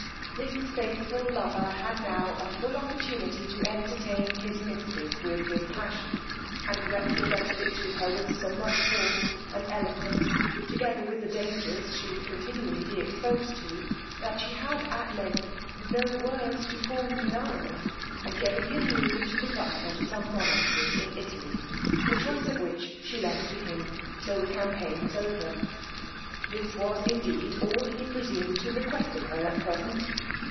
This faithful lover had now a full opportunity to entertain his mistress with his passion, and represented it to her with so much force and eloquence, together with the dangers she would continually be exposed to, that she had at length no words to form denials, and gave him leave to conduct her to some monastry in Italy, the choice of which she left to him, till the campaign was over. This was indeed all he presumed to request of her at present.